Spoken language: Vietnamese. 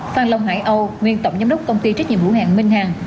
phan long hải âu nguyên tổng giám đốc công ty trách nhiệm hữu hạng minh hàng